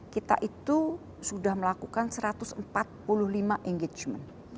kita itu sudah melakukan satu ratus empat puluh lima engagement